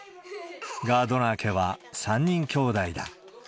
ガードナー家は３人きょうだいだ。